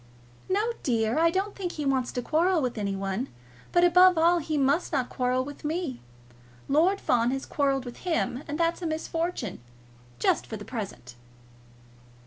"No, dear. I don't think he wants to quarrel with any one; but above all he must not quarrel with me. Lord Fawn has quarrelled with him, and that's a misfortune, just for the present."